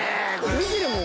見てるもん